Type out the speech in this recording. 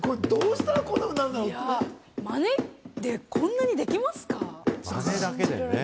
マネで、こんなできますか？